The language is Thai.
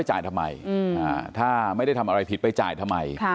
จ่ายทำไมถ้าไม่ได้ทำอะไรผิดไปจ่ายทำไม